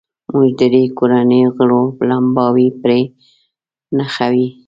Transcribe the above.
موږ درې کورنیو غړو لمباوې پرې نښوې.